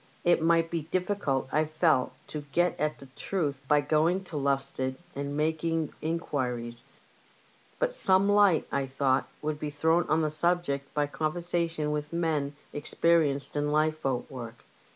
It might be difficult, I felt, to get at the truth by going to Lowestoft and making inquiries ; but some light, I thought, would be thrown on the subject by conversation with men experienced in lifeboat work — LIFEBOATS AND THEIR CREWS.